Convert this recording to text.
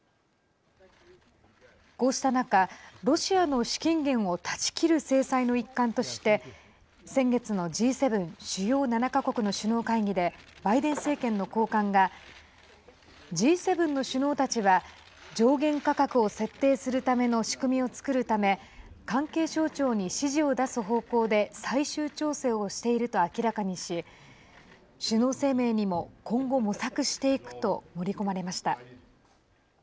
こうした中、ロシアの資金源を断ち切る制裁の一環として先月のＧ７＝主要７か国の首脳会議でバイデン政権の高官がＧ７の首脳たちは上限価格を設定するための仕組みを作るため関係省庁に指示を出す方向で最終調整をしていると明らかにし首脳声明にも今後、模索していくと盛り込まれました。